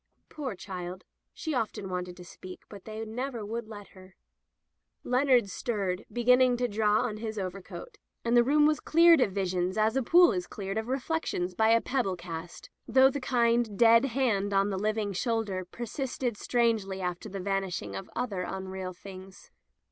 Poor child, she often wanted to speak, but they would never let her. Leonard stirred, beginning to draw on his overcoat, and the room was cleared of visions as a pool is cleared of reflections by a pebble cast, though the kind, dead hand on the living shoulder persisted strangely after the vanishing of other unreal things.